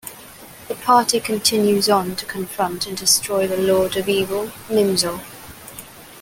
The party continues on to confront and destroy the lord of evil, Nimzo.